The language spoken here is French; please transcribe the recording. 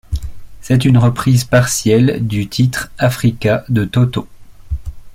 C'est une reprise partielle du titre Africa de Toto.